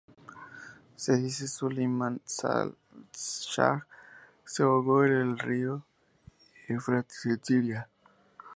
Se dice que Suleyman Shah se ahogó en el río Eufrates en Siria.